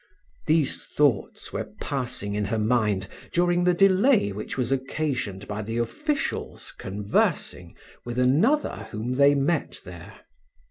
These thoughts were passing in her mind during the delay which was occasioned by the officials conversing with another whom they met there.